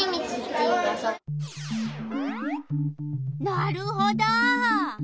なるほど。